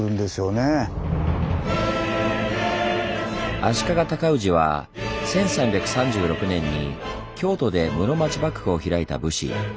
足利尊氏は１３３６年に京都で室町幕府を開いた武士。